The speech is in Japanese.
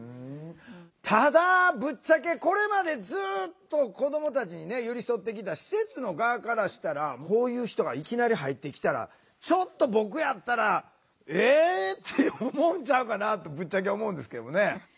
ただぶっちゃけこれまでずっと子どもたちに寄り添ってきた施設の側からしたらこういう人がいきなり入ってきたらちょっと僕やったら「えっ？」って思うんちゃうかなってぶっちゃけ思うんですけどね。